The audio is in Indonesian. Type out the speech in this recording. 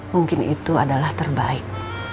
mungkin itu adalah terbaik